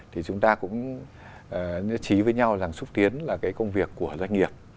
thì chúng ta cũng chí với nhau rằng xúc tiến là cái công việc của doanh nghiệp